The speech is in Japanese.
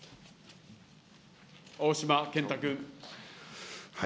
青島健太君。